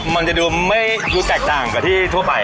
มันจะดูไม่ดูแตกต่างกว่าที่ทั่วไป